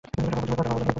কিছু টাকা উপার্জন কর!